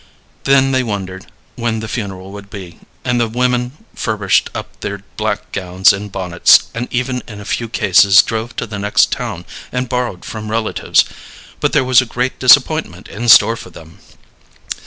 Then they wondered when the funeral would be, and the women furbished up their black gowns and bonnets, and even in a few cases drove to the next town and borrowed from relatives; but there was a great disappointment in store for them.